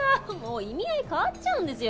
意味合い変わっちゃうんですよ